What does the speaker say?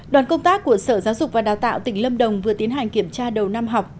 đoàn công tác của sở giáo dục và đào tạo tỉnh lâm đồng vừa tiến hành kiểm tra đầu năm học